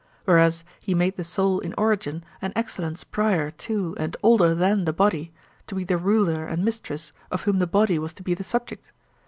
Whereas he made the soul in origin and excellence prior to and older than the body, to be the ruler and mistress, of whom the body was to be the subject.